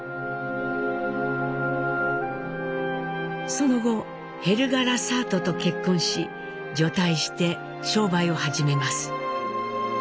その後ヘルガ・ラサートと結婚し除隊して商売を始めます。